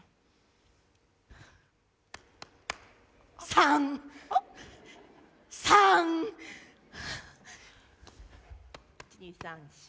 ３！３！１２３４。